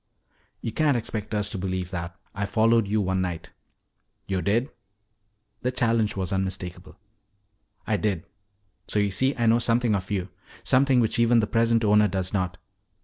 "You can't expect us to believe that. I followed you one night." "Yo' did?" The challenge was unmistakable. "I did. So you see I know something of you. Something which even the present owner does not.